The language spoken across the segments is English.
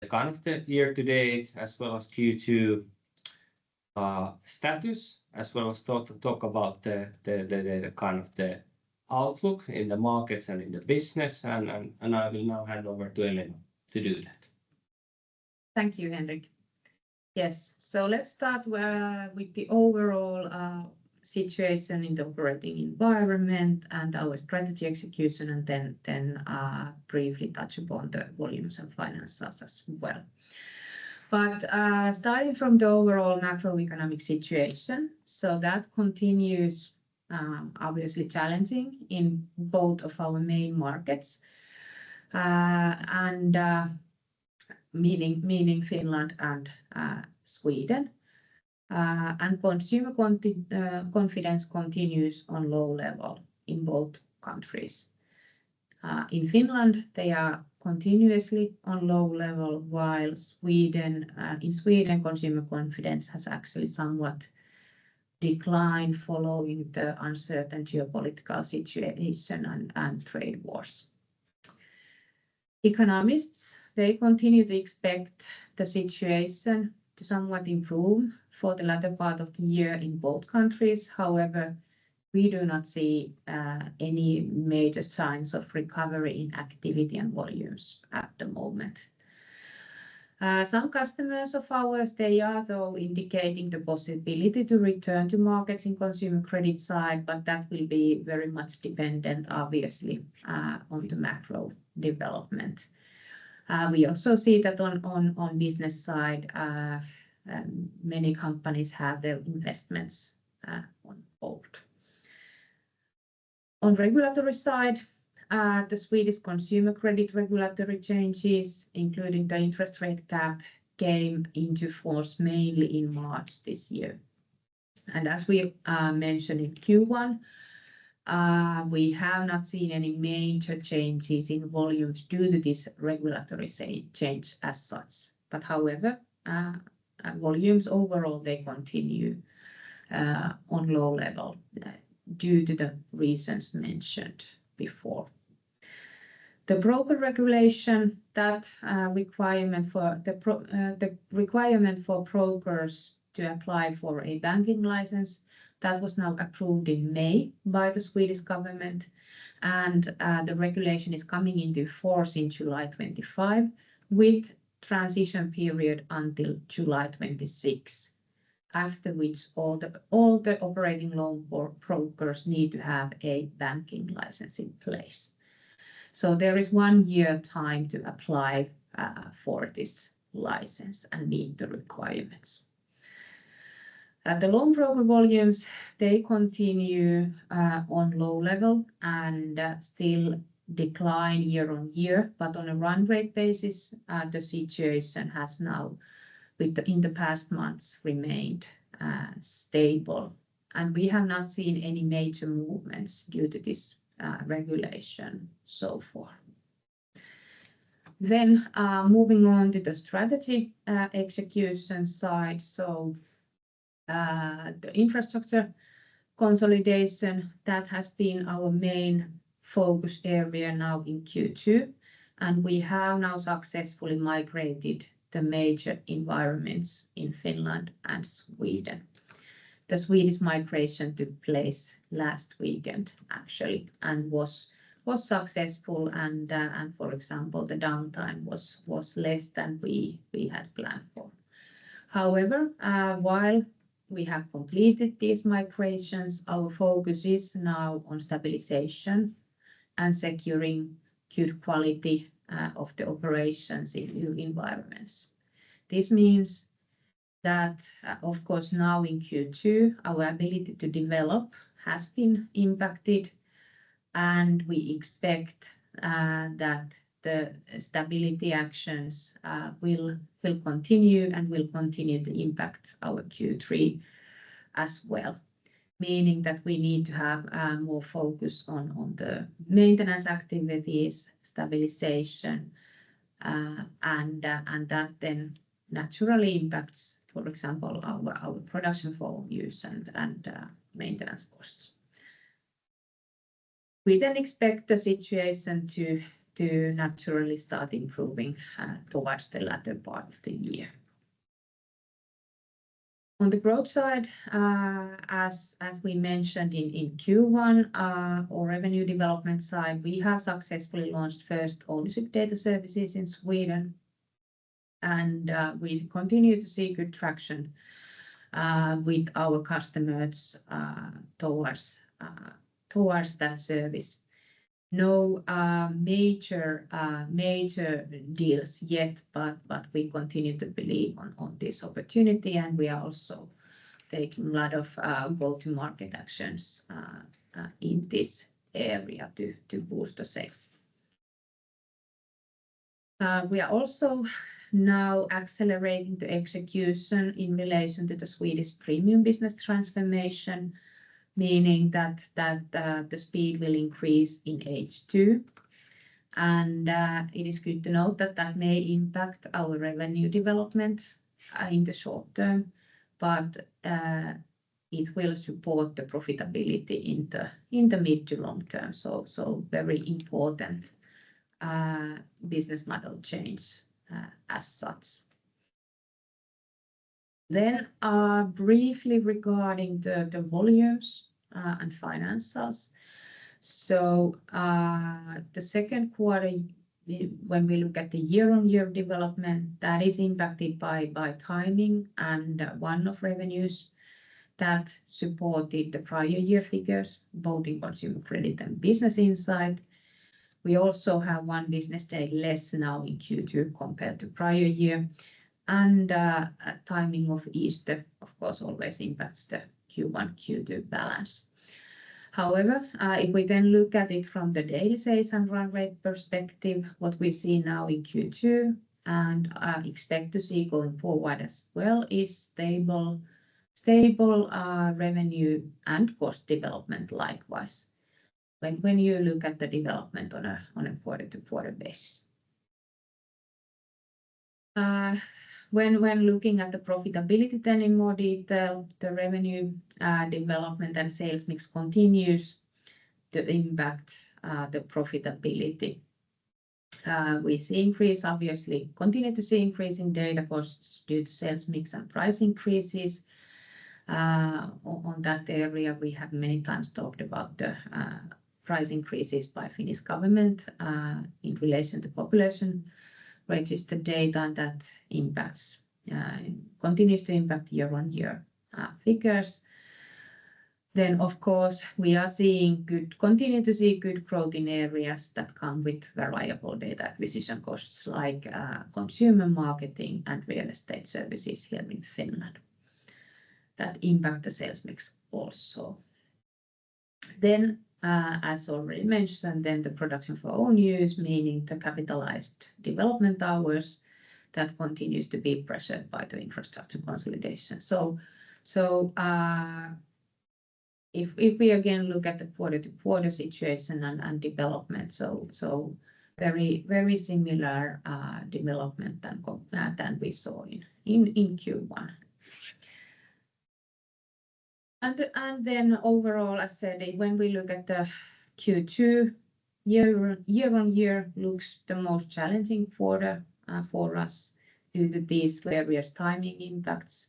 The kind of the year to date, as well as Q2 status, as well as talk about the kind of the outlook in the markets and in the business. I will now hand over to Elina to do that. Thank you, Henrik. Yes, let's start with the overall situation in the operating environment and our strategy execution, and then briefly touch upon the volumes and finances as well. Starting from the overall macroeconomic situation, that continues obviously challenging in both of our main markets, meaning Finland and Sweden. Consumer confidence continues on low level in both countries. In Finland, they are continuously on low level, while in Sweden, consumer confidence has actually somewhat declined following the uncertain geopolitical situation and trade wars. Economists continue to expect the situation to somewhat improve for the latter part of the year in both countries. However, we do not see any major signs of recovery in activity and volumes at the moment. Some customers of ours, they are though indicating the possibility to return to markets in consumer credit side, but that will be very much dependent, obviously, on the macro development. We also see that on business side, many companies have their investments on hold. On regulatory side, the Swedish consumer credit regulatory changes, including the interest rate cap, came into force mainly in March this year. As we mentioned in Q1, we have not seen any major changes in volumes due to this regulatory change as such. However, volumes overall, they continue on low level due to the reasons mentioned before. The broker regulation, that requirement for brokers to apply for a banking license, that was now approved in May by the Swedish government. The regulation is coming into force in July 2025, with a transition period until July 2026, after which all the operating loan brokers need to have a banking license in place. There is one year to apply for this license and meet the requirements. The loan broker volumes continue on a low level and still decline year on year, but on a runway basis, the situation has now, in the past months, remained stable. We have not seen any major movements due to this regulation so far. Moving on to the strategy execution side, the infrastructure consolidation has been our main focus area now in Q2. We have now successfully migrated the major environments in Finland and Sweden. The Swedish migration took place last weekend, actually, and was successful. For example, the downtime was less than we had planned for. However, while we have completed these migrations, our focus is now on stabilization and securing good quality of the operations in new environments. This means that, of course, now in Q2, our ability to develop has been impacted, and we expect that the stability actions will continue and will continue to impact our Q3 as well, meaning that we need to have more focus on the maintenance activities, stabilization, and that then naturally impacts, for example, our production volumes and maintenance costs. We then expect the situation to naturally start improving towards the latter part of the year. On the growth side, as we mentioned in Q1, our revenue development side, we have successfully launched first ONYSIP data services in Sweden, and we continue to see good traction with our customers towards that service. No major deals yet, but we continue to believe on this opportunity, and we are also taking a lot of go-to-market actions in this area to boost the sales. We are also now accelerating the execution in relation to the Swedish premium business transformation, meaning that the speed will increase in H2. It is good to note that that may impact our revenue development in the short term, but it will support the profitability in the mid to long term. Very important business model change as such. Briefly regarding the volumes and finances. The second quarter, when we look at the year-on-year development, that is impacted by timing and one-off revenues that supported the prior year figures, both in consumer credit and business insight. We also have one business day less now in Q2 compared to prior year. Timing of Easter, of course, always impacts the Q1-Q2 balance. However, if we then look at it from the daily sales and runway perspective, what we see now in Q2 and expect to see going forward as well is stable revenue and cost development likewise. When you look at the development on a quarter-to-quarter basis. When looking at the profitability then in more detail, the revenue development and sales mix continues to impact the profitability. We see increase, obviously, continue to see increase in data costs due to sales mix and price increases. On that area, we have many times talked about the price increases by Finnish government in relation to population registered data and that impact continues to impact year-on-year figures. Of course, we are seeing good, continue to see good growth in areas that come with variable data acquisition costs like consumer marketing and real estate services here in Finland that impact the sales mix also. As already mentioned, the production for own use, meaning the capitalized development hours, continues to be pressured by the infrastructure consolidation. If we again look at the quarter-to-quarter situation and development, very similar development to what we saw in Q1. Overall, as I said, when we look at Q2, year-on-year looks the most challenging for us due to these various timing impacts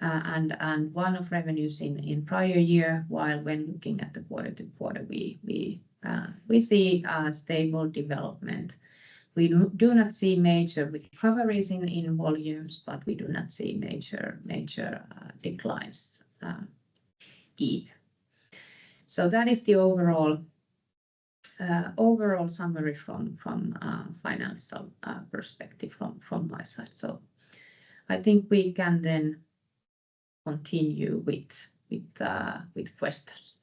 and one-off revenues in the prior year, while when looking at the quarter-to-quarter, we see stable development. We do not see major recoveries in volumes, but we do not see major declines either. That is the overall summary from financial perspective from my side. I think we can then continue with questions.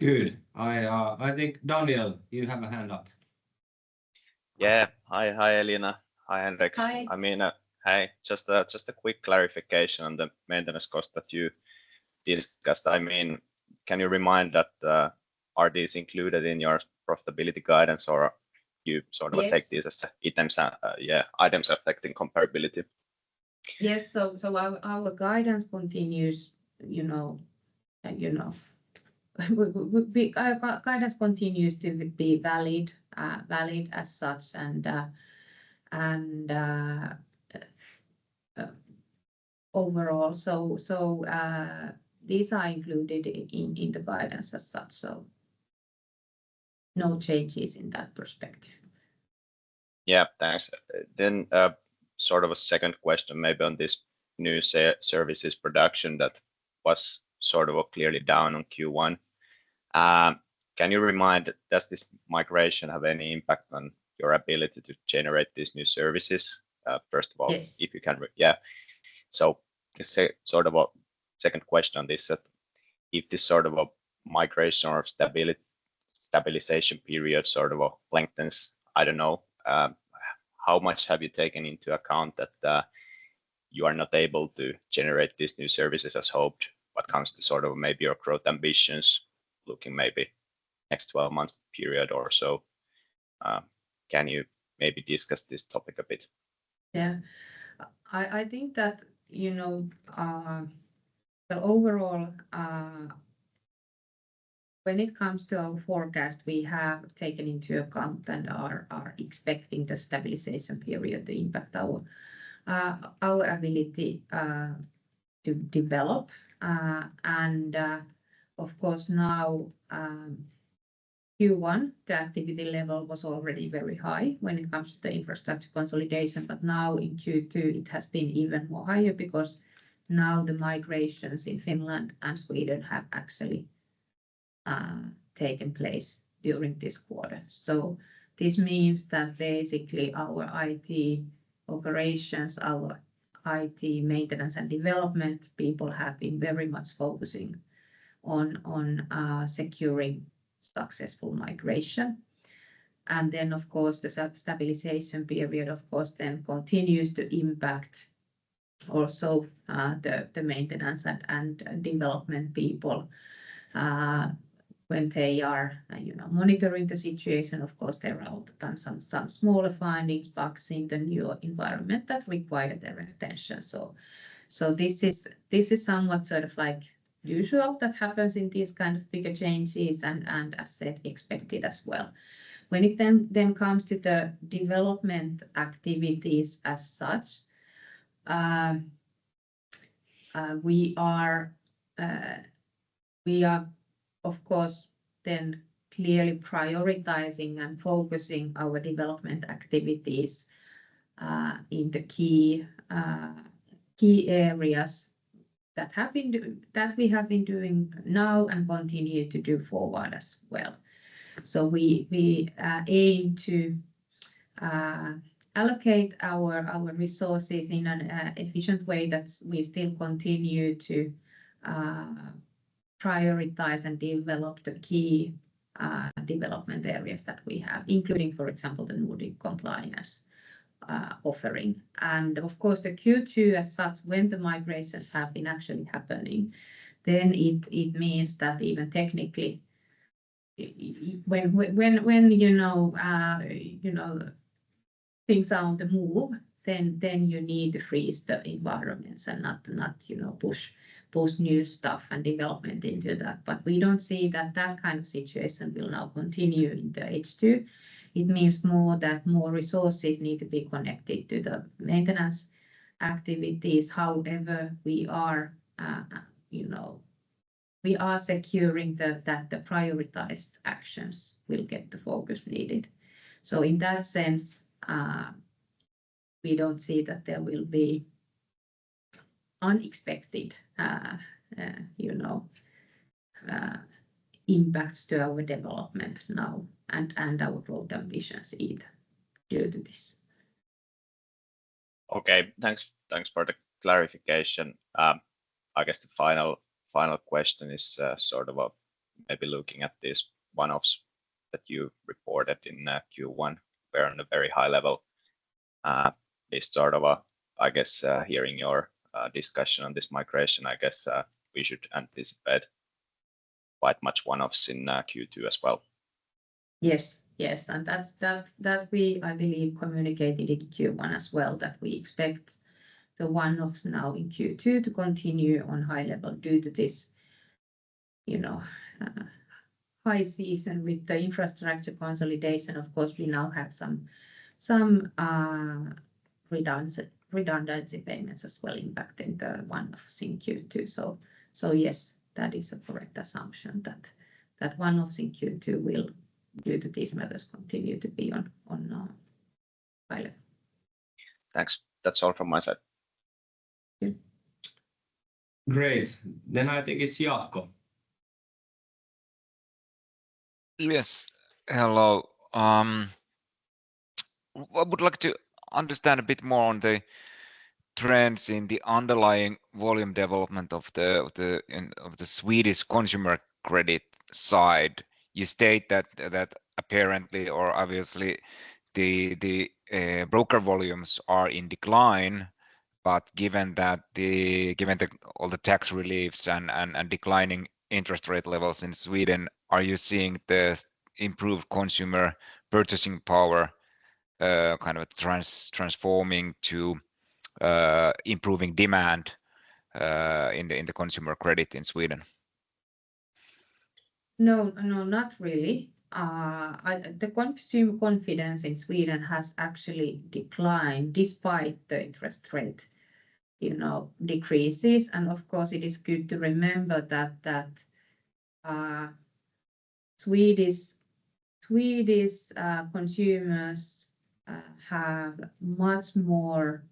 Good. I think Daniel, you have a hand up. Yeah. Hi, Elina. Hi, Henrik. Hi. I mean, hey, just a quick clarification on the maintenance cost that you discussed. I mean, can you remind that are these included in your profitability guidance or you sort of take these as items affecting comparability? Yes. Our guidance continues, you know, guidance continues to be valid as such and overall. These are included in the guidance as such. No changes in that perspective. Yeah, thanks. Sort of a second question maybe on this new services production that was sort of clearly down on Q1. Can you remind, does this migration have any impact on your ability to generate these new services? First of all, if you can. Yes. Yeah. Sort of a second question on this, if this sort of migration or stabilization period sort of lengthens, I don't know, how much have you taken into account that you are not able to generate these new services as hoped? What comes to maybe your growth ambitions looking maybe next 12 months period or so? Can you maybe discuss this topic a bit? Yeah. I think that overall, when it comes to our forecast, we have taken into account and are expecting the stabilization period to impact our ability to develop. Of course, now Q1, the activity level was already very high when it comes to the infrastructure consolidation, but now in Q2, it has been even higher because now the migrations in Finland and Sweden have actually taken place during this quarter. This means that basically our IT operations, our IT maintenance and development people have been very much focusing on securing successful migration. Of course, the stabilization period continues to impact also the maintenance and development people. When they are monitoring the situation, there are all the time some smaller findings, bugs in the new environment that require their attention. This is somewhat sort of like usual that happens in these kind of bigger changes and, as I said, expected as well. When it then comes to the development activities as such, we are, of course, then clearly prioritizing and focusing our development activities in the key areas that we have been doing now and continue to do forward as well. We aim to allocate our resources in an efficient way that we still continue to prioritize and develop the key development areas that we have, including, for example, the Nordic compliance offering. Of course, the Q2 as such, when the migrations have been actually happening, then it means that even technically, when things are on the move, then you need to freeze the environments and not push new stuff and development into that. We do not see that that kind of situation will now continue in the H2. It means that more resources need to be connected to the maintenance activities. However, we are securing that the prioritized actions will get the focus needed. In that sense, we do not see that there will be unexpected impacts to our development now and our growth ambitions either due to this. Okay, thanks for the clarification. I guess the final question is sort of maybe looking at this one-offs that you reported in Q1, we're on a very high level. It's sort of, I guess, hearing your discussion on this migration, I guess we should anticipate quite much one-offs in Q2 as well. Yes, yes. That we, I believe, communicated in Q1 as well, that we expect the one-offs now in Q2 to continue on high level due to this high season with the infrastructure consolidation. Of course, we now have some redundancy payments as well impacting the one-offs in Q2. Yes, that is a correct assumption that one-offs in Q2 will, due to these matters, continue to be on high level. Thanks. That's all from my side. Great. I think it's Jaakko. Yes. Hello. I would like to understand a bit more on the trends in the underlying volume development of the Swedish consumer credit side. You state that apparently or obviously the broker volumes are in decline, but given all the tax reliefs and declining interest rate levels in Sweden, are you seeing the improved consumer purchasing power kind of transforming to improving demand in the consumer credit in Sweden? No, no, not really. The consumer confidence in Sweden has actually declined despite the interest rate decreases. Of course, it is good to remember that Swedish consumers have much more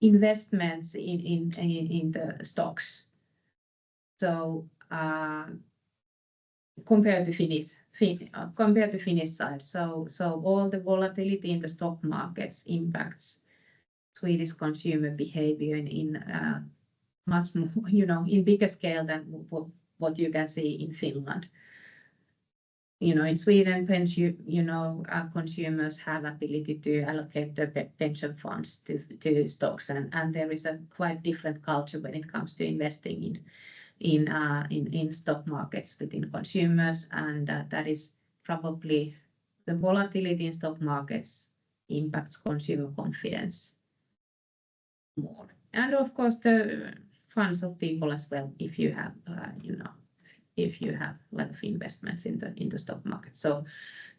investments in stocks compared to the Finnish side, so all the volatility in the stock markets impacts Swedish consumer behavior in a much bigger scale than what you can see in Finland. In Sweden, consumers have the ability to allocate their pension funds to stocks, and there is a quite different culture when it comes to investing in stock markets within consumers. That is probably why the volatility in stock markets impacts consumer confidence more, and of course, the funds of people as well if you have a lot of investments in the stock market.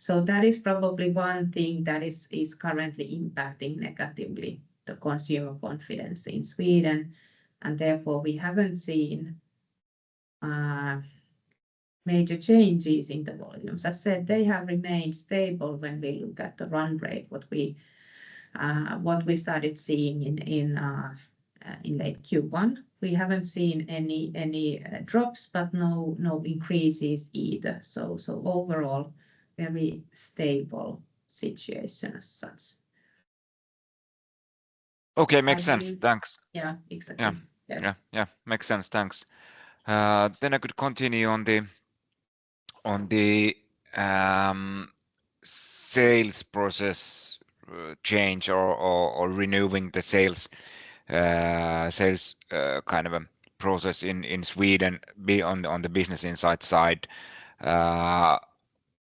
That is probably one thing that is currently impacting negatively the consumer confidence in Sweden. Therefore, we haven't seen major changes in the volumes. As I said, they have remained stable when we look at the run rate, what we started seeing in late Q1. We haven't seen any drops, but no increases either. Overall, very stable situation as such. Okay, makes sense. Thanks. Yeah, exactly. Yeah, yeah, makes sense. Thanks. I could continue on the sales process change or renewing the sales kind of a process in Sweden on the business insight side.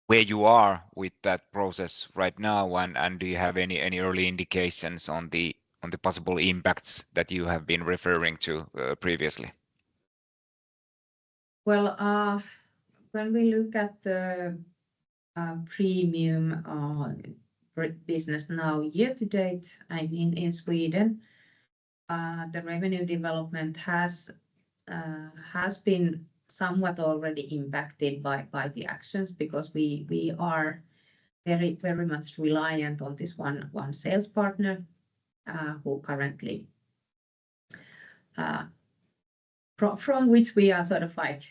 Where you are with that process right now, and do you have any early indications on the possible impacts that you have been referring to previously? When we look at the premium business now year to date, I mean, in Sweden, the revenue development has been somewhat already impacted by the actions because we are very much reliant on this one sales partner who currently, from which we are sort of like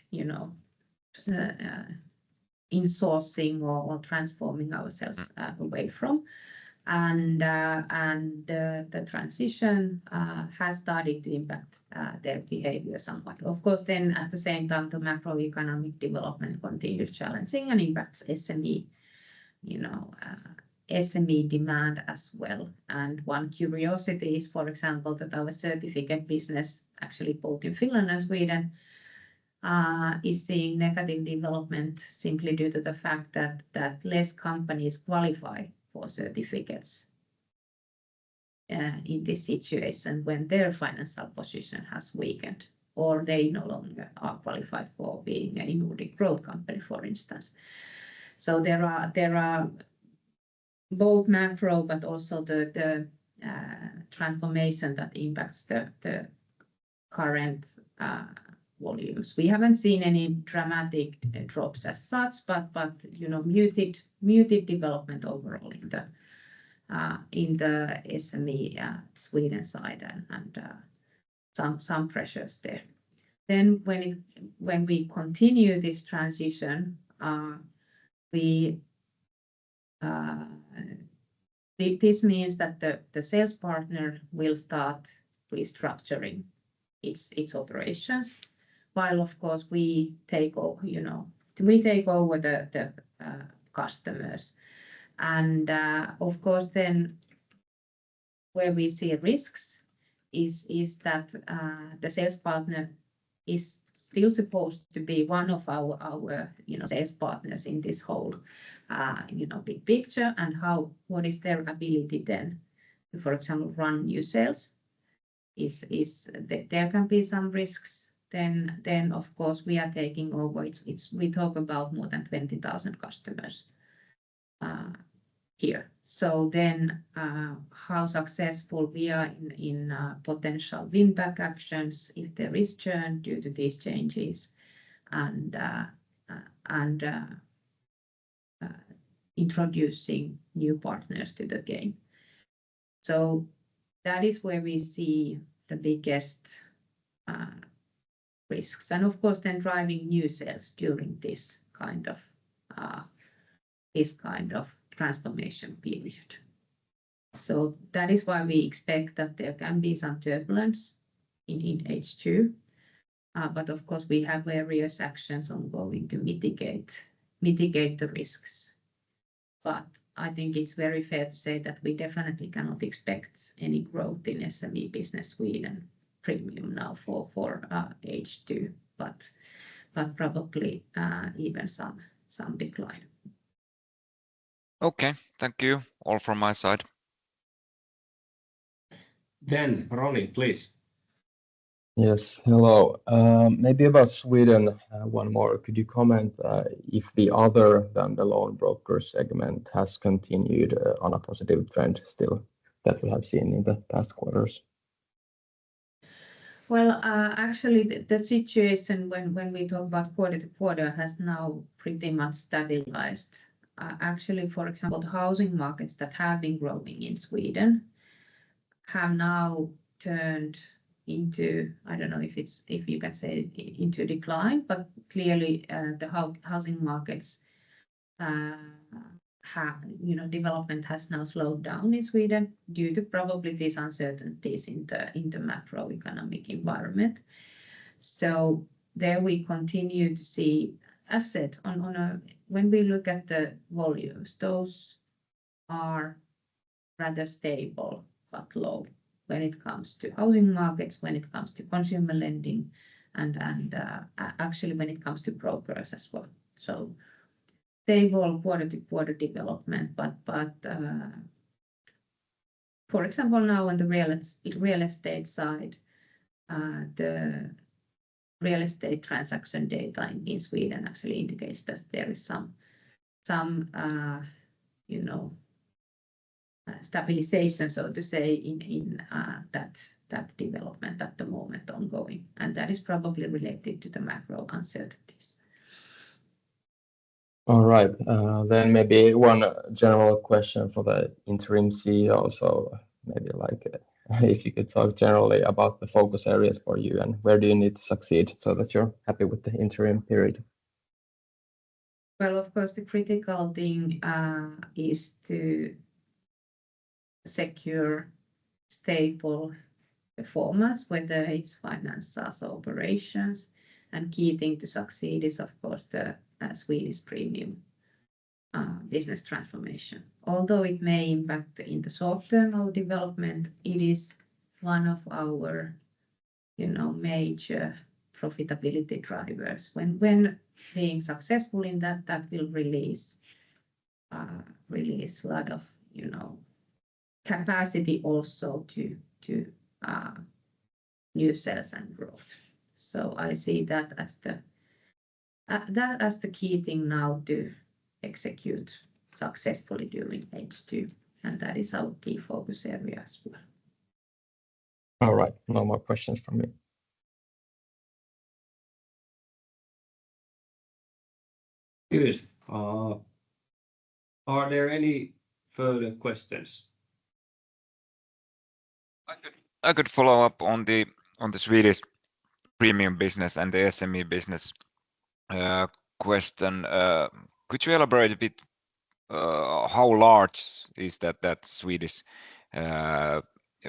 insourcing or transforming ourselves away from. The transition has started to impact their behavior somewhat. Of course, at the same time, the macroeconomic development continues challenging and impacts SME demand as well. One curiosity is, for example, that our certificate business, actually both in Finland and Sweden, is seeing negative development simply due to the fact that fewer companies qualify for certificates in this situation when their financial position has weakened or they no longer are qualified for being a Nordic growth company, for instance. There are both macro, but also the transformation that impacts the current volumes. We haven't seen any dramatic drops as such, but muted development overall in the SME Sweden side and some pressures there. When we continue this transition, this means that the sales partner will start restructuring its operations while, of course, we take over the customers. Of course, where we see risks is that the sales partner is still supposed to be one of our sales partners in this whole big picture. What is their ability then, for example, to run new sales? There can be some risks. We are taking over. We talk about more than 20,000 customers here. How successful we are in potential win-back actions if there is churn due to these changes and introducing new partners to the game is where we see the biggest risks. Of course, then driving new sales during this kind of transformation period. That is why we expect that there can be some turbulence in H2. Of course, we have various actions ongoing to mitigate the risks. I think it is very fair to say that we definitely cannot expect any growth in SME business Sweden premium now for H2, but probably even some decline. Okay, thank you. All from my side. Rolin, please. Yes, hello. Maybe about Sweden one more. Could you comment if the other than the loan broker segment has continued on a positive trend still that we have seen in the past quarters? The situation when we talk about quarter to quarter has now pretty much stabilized. For example, the housing markets that have been growing in Sweden have now turned into, I do not know if you can say into decline, but clearly the housing markets development has now slowed down in Sweden due to probably these uncertainties in the macroeconomic environment. There we continue to see, as I said, when we look at the volumes, those are rather stable but low when it comes to housing markets, when it comes to consumer lending, and actually when it comes to brokers as well. Stable quarter to quarter development. For example, now on the real estate side, the real estate transaction data in Sweden actually indicates that there is some stabilization, so to say, in that development at the moment ongoing. That is probably related to the macro uncertainties. All right. Maybe one general question for the interim CEO, so maybe if you could talk generally about the focus areas for you and where do you need to succeed so that you're happy with the interim period? Of course, the critical thing is to secure stable performance, whether it's finances or operations. The key thing to succeed is, of course, the Swedish premium business transformation. Although it may impact in the short-term development, it is one of our major profitability drivers. When being successful in that, that will release a lot of capacity also to new sales and growth. I see that as the key thing now to execute successfully during H2. That is our key focus area as well. All right. No more questions from me. Good. Are there any further questions? I could follow up on the Swedish premium business and the SME business question. Could you elaborate a bit how large is that Swedish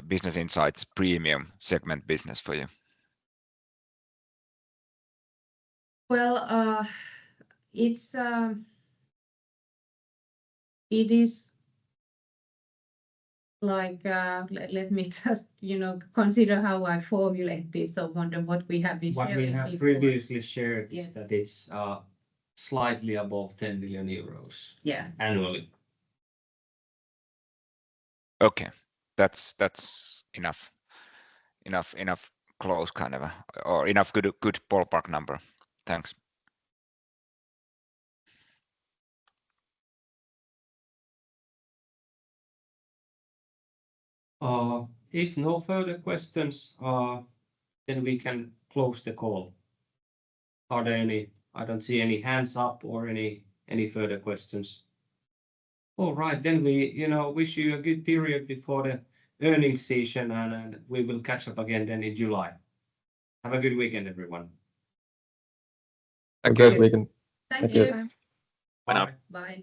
business insight premium segment business for you? It is like, let me just consider how I formulate this. I wonder what we have been sharing. What we have previously shared is that it's slightly above EUR 10 million annually. Okay. That's enough. Enough close kind of or enough good ballpark number. Thanks. If no further questions, then we can close the call. Are there any? I don't see any hands up or any further questions. All right. Then we wish you a good period before the earnings season, and we will catch up again then in July. Have a good weekend, everyone. A great weekend. Thank you. Bye now. Bye.